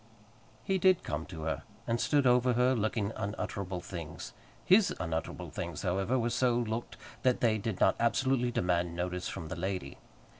He did come to her, and stood over her, looking unutterable things. His unutterable things, however, were so looked, that they did not absolutely demand notice from the lady.